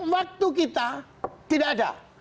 waktu kita tidak ada